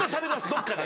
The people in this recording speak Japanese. どっかで！